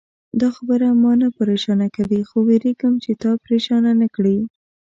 دا خبره ما نه پرېشانه کوي، خو وېرېږم چې تا پرېشانه نه کړي.